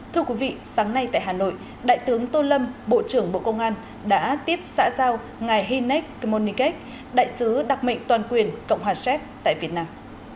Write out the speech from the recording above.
thưa quý vị sáng nay tại hà nội đại tướng tô lâm bộ trưởng bộ công an đã tiếp xã giao ngài hinet komonike đại sứ đặc mệnh toàn quyền cộng hòa séc tại việt nam